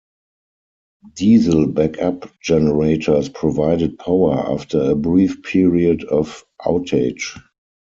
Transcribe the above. Diesel backup generators provided power after a brief period of outage.